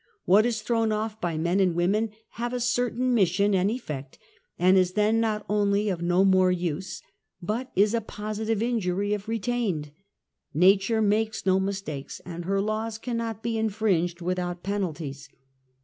What is thrown off by men and women have a certain mission and eiFect, and is then not only of no ^ more use, but is a positive injury if retained. 'Na ture makes no mistakes, and her laws cannot be in fringed without penalties.